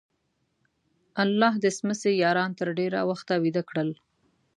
الله د څمڅې یاران تر ډېره وخته ویده کړل.